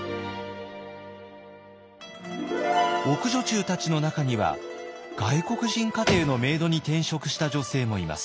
奥女中たちの中には外国人家庭のメイドに転職した女性もいます。